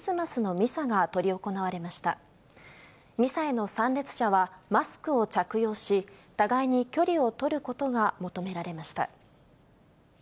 ミサへの参列者は、マスクを着用し、互いに距離を取ることが求められました。